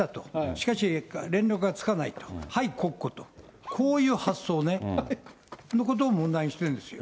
しかし連絡がつかないと、はい、国庫と、こういう発想のことを問題にしてるんですよ。